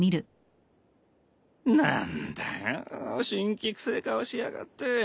何だよ辛気くせえ顔しやがって。